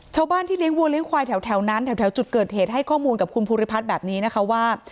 ชาวบ้านที่เลี้ยงวัวเลี้ยควายแถวนั้นแถวจุดเกิดเหตุให้ข้อมูลกับคุณภูริพัฒน์แบบนี้นะคะว่า